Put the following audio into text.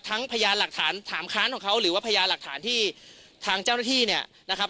พยานหลักฐานถามค้านของเขาหรือว่าพยานหลักฐานที่ทางเจ้าหน้าที่เนี่ยนะครับ